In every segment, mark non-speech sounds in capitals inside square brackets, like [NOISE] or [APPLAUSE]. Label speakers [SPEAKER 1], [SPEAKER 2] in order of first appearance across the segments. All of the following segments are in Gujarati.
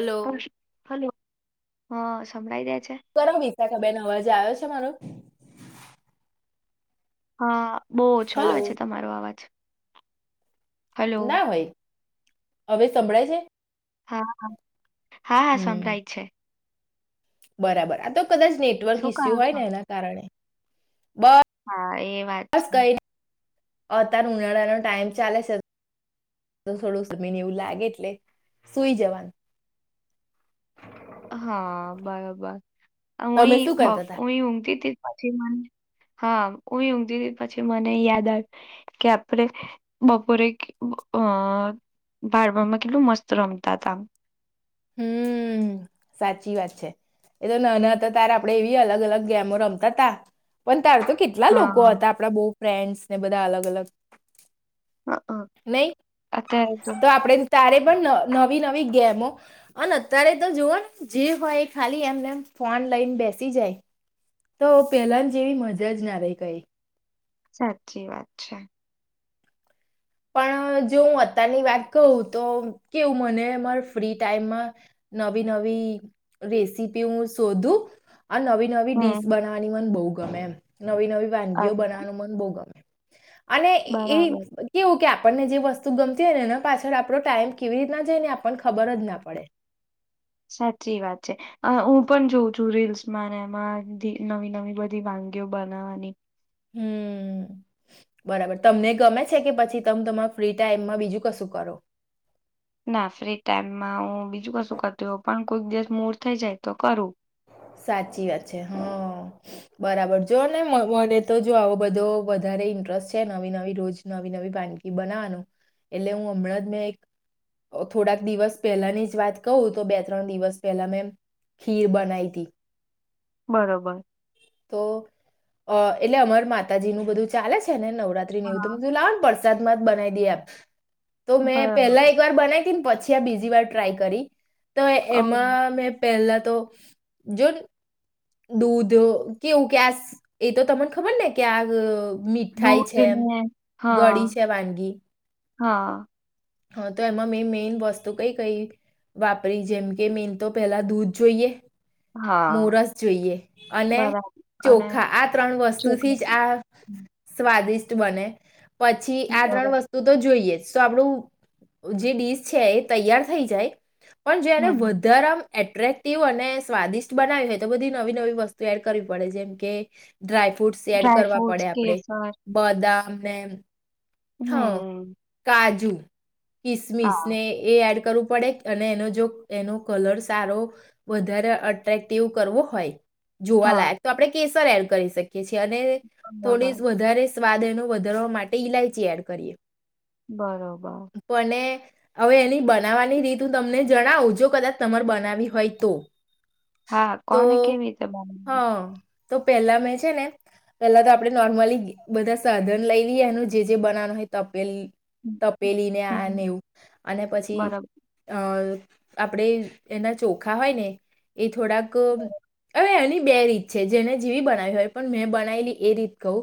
[SPEAKER 1] Hello
[SPEAKER 2] hello. હ સંભળાઈ દ
[SPEAKER 1] કર બીચા ખા બેન અવાજે આવ્યો મારો
[SPEAKER 2] હા. બહુ ઓછો
[SPEAKER 1] હલો
[SPEAKER 2] આવે છે તમારો અવાજ હલો
[SPEAKER 1] ના ભાઈ હવે સંભળાય છે.
[SPEAKER 2] હા હા હા હા
[SPEAKER 1] હમ
[SPEAKER 2] સંભળાય છે.
[SPEAKER 1] બરાબર આ તો કદાચ નેટવર્ક
[SPEAKER 2] શું કરો
[SPEAKER 1] ઈસ્યુ હોય
[SPEAKER 2] છો
[SPEAKER 1] ને એના કારણે
[SPEAKER 2] હા એ વાત છે.
[SPEAKER 1] અતાર ઉનાળાનો ટાઈમ ચાલે છે થોડું સમીન એવું લાગે એટલે સુઈ જવાનું.
[SPEAKER 2] હા બરોબર
[SPEAKER 1] તમે
[SPEAKER 2] હું
[SPEAKER 1] શું કરતા હતા
[SPEAKER 2] હું ઊઘતી. પછી હા હું એતી પછી મને યાદ આવ કે આપડ બપોરે અ ભાડવામાં કેટલું મસ્ત રમતા હતા
[SPEAKER 1] હમ સાચી વાત છે એ તો નાના તો તારેા આપડે એવી અલગ અલગ ગેમો રમતા તા પણ તારો તો કેટલા લોકો
[SPEAKER 2] હા
[SPEAKER 1] હતા આપડા બહુ ફ્રેન્ડસ ને બધા અલગ અલગ
[SPEAKER 2] અ- અ.
[SPEAKER 1] નય, તો આપડે ન તારે પણ ન નવી નવી ગેમો અને અત્યારે તો જુઓ ને જી હોય ઈ ખાલી એમનેમ ફોન લઈન બેસી જાય. તો પેલાન જેવી મજા જ ના રય કઈ.
[SPEAKER 2] સાચી વાત છે.
[SPEAKER 1] પણ જો હું અતારની વાત કરૂ. તો કેવું મને માર ફ્રી ટાઈમમાં નવી નવી રેસીપી હૂં શોધું. આ નવી નવી
[SPEAKER 2] હમ
[SPEAKER 1] ડીશ બનાવાની મન બોવ ગમે એમ. નવી નવી
[SPEAKER 2] અ-
[SPEAKER 1] વાનગીઓ બનાવાનું મન બોવ ગમે. અને
[SPEAKER 2] બરાબર
[SPEAKER 1] ઈ કે આપણને જે વસ્તુ ગમતી હોય ને એના પાછળ આપડો ટાઈમ કેવી રીતના જાય ને આપણન ખબર જ ના પડે.
[SPEAKER 2] સાચી વાત છે. અં હું પણ જોઉં છું રીલ્સમાં ને એમાં ધી નવી નવી બધી વાનગીઓ બનાવાની.
[SPEAKER 1] હમ્મ, બરાબર. તમને ગમે છે કે પછી તમ તમાઆ ફ્રી ટાઈમમાં બીજું કશું કરો?
[SPEAKER 2] ના, ફ્રી ટાઈમમાં હું બીજું કશું કરતી હોવ. પણ કોઈક દિવસ મૂળ થઈ જાય તો કરું.
[SPEAKER 1] સાચી વાત છે. હં, બરાબર જોને મ મને તો જો આવો બધો વધારે ઇન્ટરસ્ટ છે નવી નવી રોજ નવી નવી વાનગી બનાવાનું. એટલે હું હમણાં જ મેં એક થોડાક દિવસ પહેલાની જ વાત કહું. તો બે ત્રણ દિવસ પહેલા મેં ખીર બનાઈ તી.
[SPEAKER 2] બરોબર.
[SPEAKER 1] તો અ એટલે અમાર માતાજીનું બધું ચાલે છે ને નવ રાત્રી ને એવું. તો
[SPEAKER 2] હા
[SPEAKER 1] મેં ધૂ લાવ પર સાદમાં જ બનાઈ દઈએ આપ. તો મેં
[SPEAKER 2] બરાબર
[SPEAKER 1] પેલા એક વાર બનાઈ તી ન પ છી આ બીજી વાર ટ્રાય કરી. તો એમાં મેં પહેલા તો જોડ દૂધ કેવું કેસ એ તો તમને ખબર ને કે આ. મીઠાઈ છે, એમ
[SPEAKER 2] દૂધને
[SPEAKER 1] ગળી
[SPEAKER 2] હા
[SPEAKER 1] છે વાનગી.
[SPEAKER 2] હા
[SPEAKER 1] હા તો એમાં મેં મેન વસ્તુ કઈ-કઈ વાપરી જેમકે મેન તો પહેલા દૂધ જોઈએ
[SPEAKER 2] હા.
[SPEAKER 1] મોરસ જોઈએ, અને
[SPEAKER 2] બરાબર અને
[SPEAKER 1] ચોખા આ ત્રણ વસ્તુથી
[SPEAKER 2] ચોખા
[SPEAKER 1] જ આ સ્વા વાદિષ્ટ બને. પછી આ ત્રણ
[SPEAKER 2] બરોબર
[SPEAKER 1] વસ્તુ તો જોઈએ જ. સો આપણું જે ડીશ છે એ તૈયાર થઈ જાય પણ
[SPEAKER 2] હમ
[SPEAKER 1] જ્યારે વધારા એટ્રેક્ટિવ અને સ્વાદિષ્ટ બનાવી હોય તો બધી નવી-નવી વસ્તુ એડ કરવી પડે જેમ કે ડ્રાયફ્રૂટસ એડ
[SPEAKER 2] ડ્રાય
[SPEAKER 1] કરવા
[SPEAKER 2] ફ્રૂટસ
[SPEAKER 1] પડે આપડે,
[SPEAKER 2] કેસર
[SPEAKER 1] બદામ બેમ. હા
[SPEAKER 2] હમ
[SPEAKER 1] કાજુ.
[SPEAKER 2] હા
[SPEAKER 1] કિસમિસને એ એડ કરવું પડે એનો જો એનો કલર સારો વધારે અટક્ટિવ કરવો હોય. જોવા
[SPEAKER 2] હા
[SPEAKER 1] લાયક તો આપડે કે [UNINTELLIGIBLE] ર એડ કરી શ એ છ્યાને
[SPEAKER 2] બરાબર
[SPEAKER 1] થોડીસ વધારે સ્વાદ એનું વધારવા માટે ઇલાયચી એડ કરીએ.
[SPEAKER 2] બરોબર.
[SPEAKER 1] પણ એ હવે એની બનાવવાની રીત હું તમને જણાવું જો કદાચ તમારે બનાવી હોય તો.
[SPEAKER 2] હા
[SPEAKER 1] તો
[SPEAKER 2] કોને કેવી રીતે [UNINTELLIGIBLE]
[SPEAKER 1] હા તો પેલા મેં છે ને પેલા તો આપણે નોર્મલી બધા સાધન લઈ લીએ એનું જે જે બનાવાનું હોય તપેલી
[SPEAKER 2] હમ
[SPEAKER 1] તપેલીને,
[SPEAKER 2] હમ
[SPEAKER 1] આનેવું અને પછી
[SPEAKER 2] બરાબર
[SPEAKER 1] અ આપણેે એના ચોખા હોય ને એ થોડાક [UNINTELLIGIBLE] હવે એની બે રીત છે જેને જેવી બનાવી હોય પણ મેં બનાયલી એ રીત કહું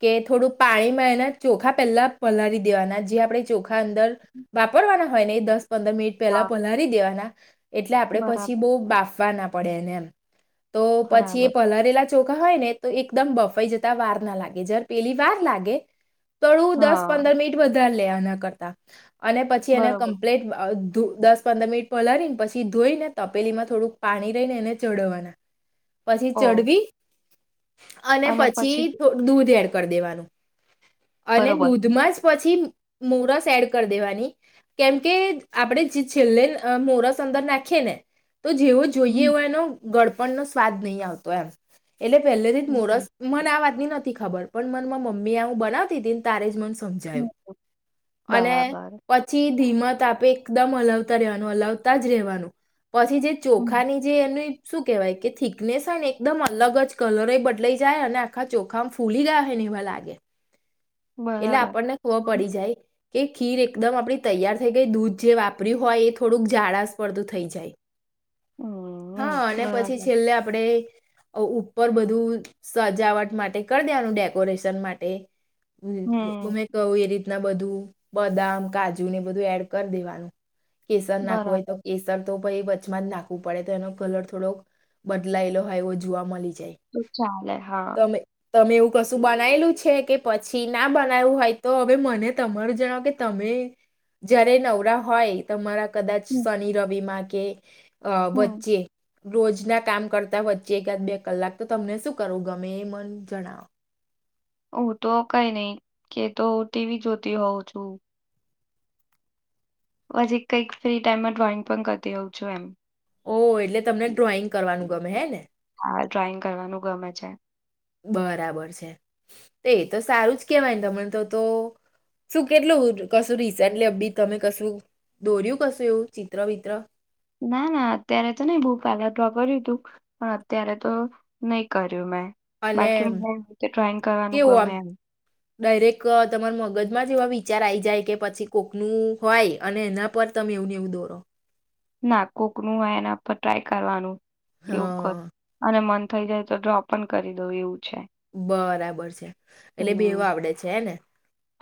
[SPEAKER 1] કે થોડું પાણીમાં એના ચોખા પેલા પલારી દેવાના જે આપણે ચોખ અંદર વાપરવાના હોય નહી દસ પંદર મિનિટ પહેલા
[SPEAKER 2] હા
[SPEAKER 1] પલહારી દેવાના [UNINTELLIGIBLE] એટલે આપણે પછી
[SPEAKER 2] બરાબર
[SPEAKER 1] બહુ બાફ બના પડેને એમ. તો પછી એ
[SPEAKER 2] બરાબર
[SPEAKER 1] પલારેલા ચોખા હોય ને તો એકદમ બફાઈ જતા વાર ના લાગે જ્યારે પેલી વાર લાગે. થોડું દસ
[SPEAKER 2] હા
[SPEAKER 1] પંદર મિનિટ વધારે લે. ના કરતા અને પછી એને
[SPEAKER 2] બરોબર
[SPEAKER 1] કમ્પ્લેટ અ દસ પંદર મિનિટ પલાળીને પછી ધોઈને તપેલીમાં થોડુંક પાણી ને એને ચોડવવાના પછી
[SPEAKER 2] ઓ
[SPEAKER 1] ચડવી અને પછીો દૂધ વેડ કરી દેવાનું અને
[SPEAKER 2] બરોબર
[SPEAKER 1] દૂધમાં જ પછી મોરસ એડ કરી દેવાની કેમ કે આપણે છેલ્લે મોરસ અંદર નાખીએે ને તો જેવું જોઈએ
[SPEAKER 2] હમ
[SPEAKER 1] હો એનો ગળપણ નો સ્વાદ નહીં આવતો એમ એટલે પહેલે થી જ
[SPEAKER 2] હમ
[SPEAKER 1] મોરસ મન આ વાત નથી ખબર પણ મનમાં મમ્મી એ હું બનાવીતી હતીીને તારે જ મ
[SPEAKER 2] હમ,
[SPEAKER 1] સમજાયું અને
[SPEAKER 2] બરાબર
[SPEAKER 1] પછી ધીમ ત આપે એકદમ હલાવતા રવાનું હલાવતા જ રહેવાનું પછી જે ચો
[SPEAKER 2] હમ
[SPEAKER 1] ચોખાની જે એની શું કેહેવાય કે થિકનેસ હોય ને એકદમ અલગ જ કલર બદલાઈ જાય અને આખા ચોખામાં ફૂલી ગયા હોય ને એવા લાગે એટલે
[SPEAKER 2] બરાબર
[SPEAKER 1] આપણને ખબર
[SPEAKER 2] હમ
[SPEAKER 1] પડી જાય કે ખીર એકદમ આપડી તૈયાર થઈ ગઈ દૂધ જે વાપર્યું હોય એ થોડુંક જાળસ પડતું થઈ જાય હા અને પછી
[SPEAKER 2] બરાબર
[SPEAKER 1] છેલ્લે આપડે ઉપર બધું સજાવટ માટે કરી દેવાનું ડેકોરેશન માટે હમ ગમે કું એ રીતે ના બધું બદામ કાજુ ને બધું એડ કરી દેવાનું કેસર નાખવું હોય તો
[SPEAKER 2] બરાબર
[SPEAKER 1] કેસર તો ભાઈ બધ અચમતના પડે તો એનો કલર થોડોક બદલાયેલો હોય એવો જોવા મળી જ
[SPEAKER 2] તો ચલ હા
[SPEAKER 1] તમે એવું કશું બનાયલું છે કે પછી ના બનાવું હોય તો હવે મને તમાર જણાવો કે તમે જયારે નવરા હોય તમારા કદાચ
[SPEAKER 2] હમ
[SPEAKER 1] શનિ રવિમાં કે અ
[SPEAKER 2] હમ
[SPEAKER 1] બચ્ચે રોજના કામ કરતા વચ્ચે એકાદ બે કલાક તો તમને શું કરવું ગમે એ મન જણાવો
[SPEAKER 2] હું તો કઈ નઈ કે તો હ ટીવી જોતી હોઉં છું હજી કંઈક ફ્રી ટાઈમમાં ડ્રોઈંગ પણ કરતી રહઉં છું એમ
[SPEAKER 1] ઓ એટલે તમને ડ્રોઈંગ કરવાનું ગમે હે ને
[SPEAKER 2] હા ડ્રોઈંગ કરવાનું ગમે છે
[SPEAKER 1] બરાબર છે તો એ તો સારું જ કેવાયને તમને તો તો શું કેટલું કશું રિસેન્ટલી અપડીટ તમે કશું દોર્યું કશું એવું ચિત્ર વિિત્ર
[SPEAKER 2] ના ના અત્યારે તો નહી બહ પહેલા ધો કર્યું તું પણ અત્યારે તો નહી કર
[SPEAKER 1] અને
[SPEAKER 2] બાકી ડ્રોઈંગ કરવાનું ગમે એમ
[SPEAKER 1] ડાયરેક્ટ તમાર મગજમાં જ એવા વિચાર આ આવી જાય કે પછી કોકનું હોય અને એના પર તમે એવુંને એવું દોરો
[SPEAKER 2] ના કોકનું હોય એના પર ટ્રાય કરવાનું. એવું કર
[SPEAKER 1] હા
[SPEAKER 2] અને મન. થઈ જાય તો ડ્રો પણ કરી દઉ એવું. છે
[SPEAKER 1] બરાબર છે એટલે ભેવો
[SPEAKER 2] હમ
[SPEAKER 1] આવડે છે હ ને.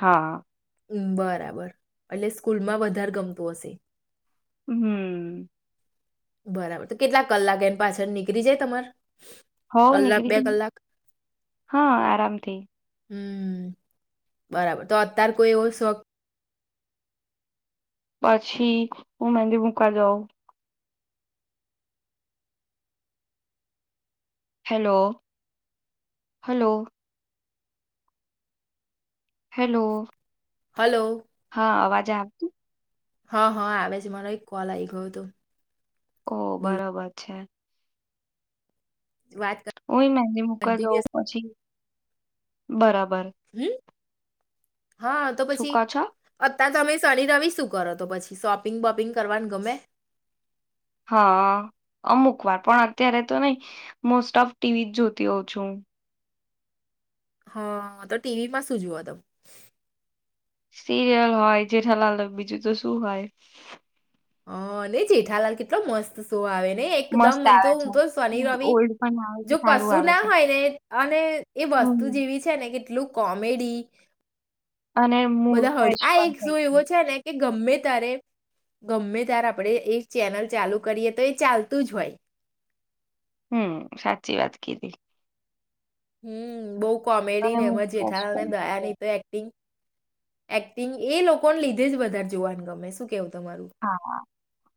[SPEAKER 2] હા
[SPEAKER 1] હમ બરાબર એટલે સ્કૂલમાં વધારે ગમતું હશે.
[SPEAKER 2] હમ.
[SPEAKER 1] બરાબર તો કેટલા કલાક એમ પાછળ નીકળી જાય તમાર.
[SPEAKER 2] હોવ
[SPEAKER 1] કલાક
[SPEAKER 2] નીકળ
[SPEAKER 1] બે
[SPEAKER 2] ગ
[SPEAKER 1] કલાક
[SPEAKER 2] હા આરામથી.
[SPEAKER 1] હમ બરાબર તો અત્યાર કોઈ એવો શોક.
[SPEAKER 2] પછી હું મંદી મૂકા જાઉં. Hello hello. હેલો.
[SPEAKER 1] હલો.
[SPEAKER 2] હા અવાજ આવ થી.
[SPEAKER 1] હા હા આવે છે મારો એક કોલ આવી ગયો હતો.
[SPEAKER 2] ઓ
[SPEAKER 1] બોલો
[SPEAKER 2] બરોબર છે.
[SPEAKER 1] વાત
[SPEAKER 2] ઓ મંદી મુૂકા જવં
[SPEAKER 1] કન્ટિન્યુઅસ
[SPEAKER 2] પછી. બરાબર.
[SPEAKER 1] હમ. હા તો
[SPEAKER 2] શું
[SPEAKER 1] પછી.
[SPEAKER 2] કો છો
[SPEAKER 1] ત્યા તમે શનિ રવિ શું કરો તો પછી શોપિંગ બોપિંગ કરવાનું ગમે.
[SPEAKER 2] હા અમુક વાર પણ અત્યારે તો નહી મોસ્ટ ઓફ ટીવી જ જોતી હોઉં છું.
[SPEAKER 1] હા તો ટીવીમાં શું જુઓ તમ.
[SPEAKER 2] સિરિયલ હોય જેઠા લાલ બીજું તો શું હોય.
[SPEAKER 1] હ ની જેઠાલાલ કેટલો મસ્ત શો આવે. ને એકદમ
[SPEAKER 2] મસ્ત
[SPEAKER 1] મન તો
[SPEAKER 2] આવે
[SPEAKER 1] હું
[SPEAKER 2] છે
[SPEAKER 1] તો શનિ રવિ
[SPEAKER 2] ઓલ્ડ પણ આવે છે
[SPEAKER 1] જો
[SPEAKER 2] સારું
[SPEAKER 1] કશું
[SPEAKER 2] આવે
[SPEAKER 1] ના
[SPEAKER 2] છે
[SPEAKER 1] હોય ને અને એ વસ્તુ
[SPEAKER 2] હમ
[SPEAKER 1] જેવી છે ને કેટલું. કોમેડી.
[SPEAKER 2] અને મૂડ
[SPEAKER 1] બધા હળ
[SPEAKER 2] ફ્રેશ
[SPEAKER 1] આ
[SPEAKER 2] પણ
[SPEAKER 1] એક
[SPEAKER 2] થઈ
[SPEAKER 1] શો એવો
[SPEAKER 2] જાય
[SPEAKER 1] છે ને. ગમે ત્યારે આપણે એ ચેનલ ચાલુ કરીએ તો એ ચાલતું જ હોય.
[SPEAKER 2] હમ સાચી વાત કીધી.
[SPEAKER 1] હમ બહુ.
[SPEAKER 2] અને
[SPEAKER 1] કોમેડીન
[SPEAKER 2] મૂડ
[SPEAKER 1] એમાં જેઠા
[SPEAKER 2] ફ્રેશ
[SPEAKER 1] અને
[SPEAKER 2] પણ થઈ
[SPEAKER 1] દયાની
[SPEAKER 2] જાય.
[SPEAKER 1] તો એક્ટિંગ. એક્ટિંગ એ લોકોને લીધે જ વધારે જોવાનું ગમે શું કેવું. તમારું
[SPEAKER 2] હા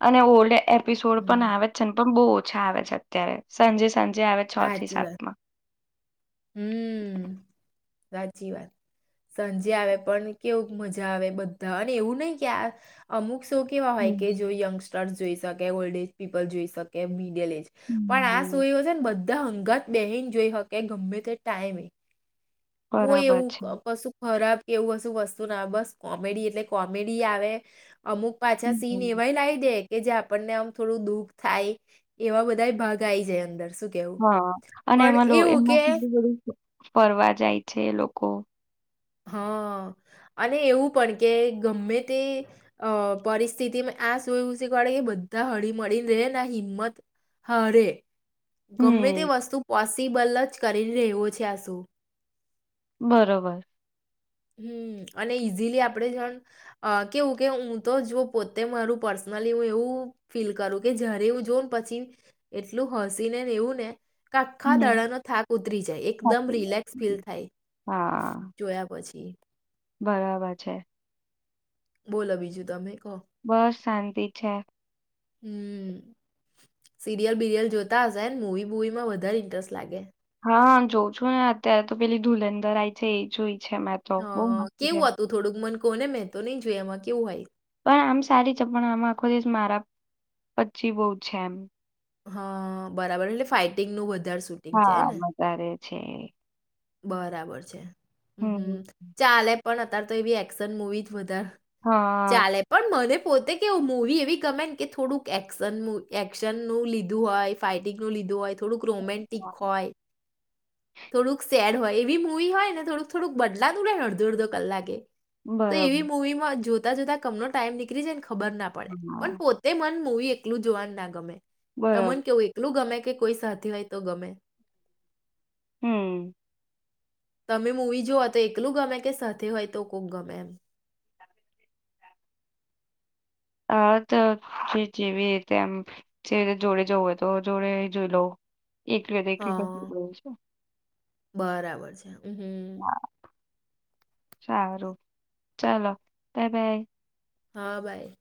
[SPEAKER 2] અને ઓલ્ડ એપિસોડ પણ
[SPEAKER 1] હમ.
[SPEAKER 2] આવે છે પણ બહુ. હા આવે છે અત્યારે સાંજે સાંજે. આવે છ થી
[SPEAKER 1] હાચી વાત
[SPEAKER 2] સાતમાં
[SPEAKER 1] હમ. સાચી વાત સાંજે આવે પણ કેવું મજા આવે બધા અને એવું નહી કે આ અમુક. શો કેવા હોય કે
[SPEAKER 2] હમ
[SPEAKER 1] જો યંગસ્ટર્. જોઈ શકે ઓલ્ડ એજ પીપલ જોઈ શકે પણ આ
[SPEAKER 2] હમ
[SPEAKER 1] સુજન બધું હંગાત બહીન જોઈ હકે ગમે તે ટાઈમ કોઈ
[SPEAKER 2] બરાબર
[SPEAKER 1] એવું
[SPEAKER 2] છે
[SPEAKER 1] કશું ખરાબ એવું હશું વસ્તુ ના આવે બસ કોમેડી એટલે કોમેડી આવે અમુક પાછા સીન
[SPEAKER 2] હમ
[SPEAKER 1] એવાય લાવ દે કે જે આપણને આમ થોડું દુઃખ થાય એવા બધા ભાગ આવી જાય અંદર શું કેવું
[SPEAKER 2] હા અને
[SPEAKER 1] પણ
[SPEAKER 2] એમાંલું
[SPEAKER 1] એવું
[SPEAKER 2] એમાં
[SPEAKER 1] કે
[SPEAKER 2] કેટું બધું ફરવા જાય છે લોકો
[SPEAKER 1] હા અને એવું પણ કે ગમે તે પરિસ્થિતિમાં આ શુંયું શીખવાડે કે બધા હળી મળળીને રે ને હિંમત હરે
[SPEAKER 2] હમ્મ,
[SPEAKER 1] ગમે તે વસ્તુ પોસિબલ જ કરી રહવું છે આ શું
[SPEAKER 2] બરોબર
[SPEAKER 1] હમ અને ઈઝીલી આપડે જાણ કેવું કે હું તો જો પોતે મારું પર્સનલી હું એવું ફીલ કરું કે જય્યારે એું જો ને પછી એટલું હસી ને ને એવું ને આાખા
[SPEAKER 2] હમ્મ,
[SPEAKER 1] દાડાનો થાક ઉતરી જાય એકદમ
[SPEAKER 2] સાચી વાત.
[SPEAKER 1] રિલેક્સ ફીલ
[SPEAKER 2] હમ્મ.
[SPEAKER 1] થાય
[SPEAKER 2] હા,
[SPEAKER 1] જોયા પછી એ
[SPEAKER 2] બરાબર છે
[SPEAKER 1] બોલો બીજું તમે કહો
[SPEAKER 2] બસ શાંતિ છે
[SPEAKER 1] હમ સીરિયલ બીરિયલ જોતા હશેને મવી બુવી માં વધારે ઇન્ટરેસ્ટ લાગે
[SPEAKER 2] હા જોઉં છું ને અત્યારે તો પેલી ધુલંધર આય છે એ જોઈ છે મેં તો
[SPEAKER 1] હ
[SPEAKER 2] બહુ મસ્ત છે.
[SPEAKER 1] કેવું હતું થોડુંક મન કોને મે તો નઈ જોય એમાં કેવું હોય
[SPEAKER 2] પણ આમ સારી ચપ આમ આખો દસ મારા પચી બહ છે એમ
[SPEAKER 1] હા બરાબર એટલે ફાઈટિંગ નું બધું
[SPEAKER 2] હા વધારે છે
[SPEAKER 1] બરાબર છે હ
[SPEAKER 2] હમ્મ,
[SPEAKER 1] હમ ચાલે પણ અત્યારે તો એવી એક્શન મૂવી જ વધારે
[SPEAKER 2] હા.
[SPEAKER 1] ચાલે પણ મને પોતે કે મવી એવી ગમે ને કે થોડુંકશન એક્શનનુંું લીધું હોય ફાઈટિંગનુંું લીધું હોય થોડુંક રોમન્ટિક હોય થોડુંક સેડ હોય એવી મુૂવી હોય ને થોડુંક થોડુંક બદલાતું રહેે ને અડધો અડધો કલાકે તો
[SPEAKER 2] બરોબર,
[SPEAKER 1] એવી મુૂવી માં જો ત જા કમનોો ટમનીળ જાય ખબર ના પડે પણ
[SPEAKER 2] હા,
[SPEAKER 1] પોતે મન હ એકલું જોવાનું ના ગમે
[SPEAKER 2] બરોબર.
[SPEAKER 1] તમને કેવું એકલું ગમે કે કોઈ સાથી હોય તો ગમે
[SPEAKER 2] હમ
[SPEAKER 1] તમે મૂવી જોઓ તો એકલું ગમે કે સાથે હોય તો કોક ગમે એમ
[SPEAKER 2] હા તો જેવીતે જેવી રીતે જોડે જવું હોય તો જોડે જોઈ લઉ એક ર વા એકું છે
[SPEAKER 1] હા બરાબર છે હમ હમ
[SPEAKER 2] સારું ચાલો બાય બાય.
[SPEAKER 1] હા બાય.